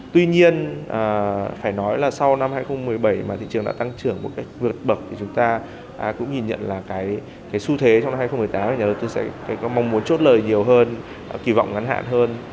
tuy nhiên phải nói là sau năm hai nghìn một mươi bảy mà thị trường đã tăng trưởng một cách vượt bậc thì chúng ta cũng nhìn nhận là cái xu thế trong năm hai nghìn một mươi tám thì nhà đầu tư sẽ có mong muốn chốt lời nhiều hơn kỳ vọng ngắn hạn hơn